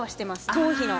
頭皮の。